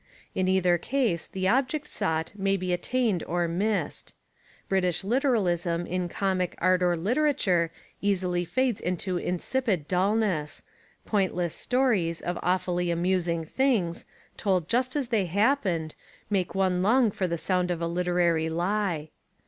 In either case the object sought may be attained or missed. British literalism in com.ic art or literature easily fades Into insipid dullness; pointless stories of "awfully amusing things," told just as they happened, make one long for the sound of a literary lie.